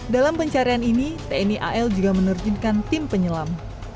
dalam pencarian ini tni al juga menerjunkan tim penyelam